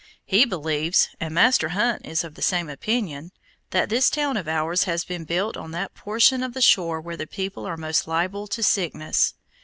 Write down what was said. He believes, and Master Hunt is of the same opinion, that this town of ours has been built on that portion of the shore where the people are most liable to sickness.